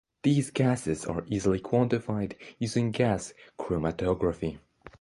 These gases are easily quantified using gas chromatography.